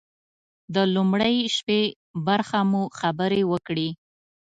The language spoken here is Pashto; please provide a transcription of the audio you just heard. د لومړۍ شپې برخه مو خبرې وکړې.